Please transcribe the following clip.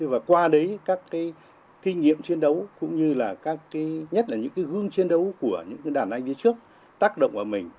và qua đấy các cái kinh nghiệm chiến đấu cũng như là các cái nhất là những cái gương chiến đấu của những đàn anh đi trước tác động vào mình